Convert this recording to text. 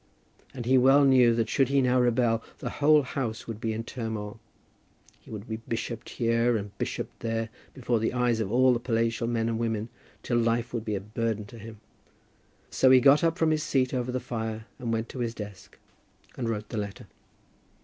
And he well knew that should he now rebel, the whole house would be in a turmoil. He would be bishoped here, and bishoped there, before the eyes of all palatial men and women, till life would be a burden to him. So he got up from his seat over the fire, and went to his desk and wrote the letter.